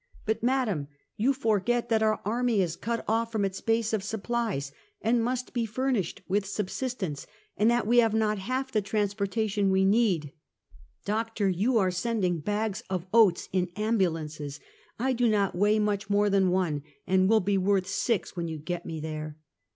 " But, Madam, you forget that our army is cut off from its base of supplies, and must be furnished with subsistence, and that we have not half the transpor tations we need." " Doctor, you are sending bags of oats in ambu lances! I do not weigh much more than one, and will be worth six when you get me there."